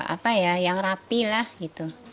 apa ya yang rapi lah gitu